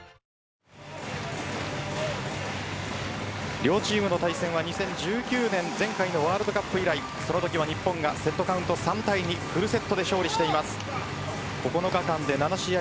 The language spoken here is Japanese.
両チームの対戦は２０１９年前回のワールドカップ以来そのときは日本がセットカウント３−２フルセットで勝利しています。